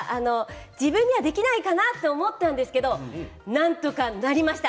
自分にはできないかなと思ったんですけどなんとかなりました。